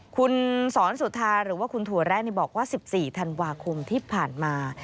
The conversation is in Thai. คุณสอนสุธาหรือว่าคุณถั่วแร่บอกว่า๑๔ธันวาคมที่ผ่านมา